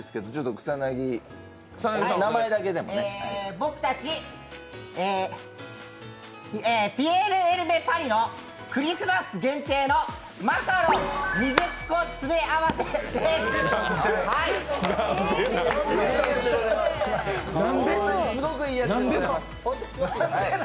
僕たちピエール・エリメ・パリのクリスマス限定のマカロン２０個詰め合わせです。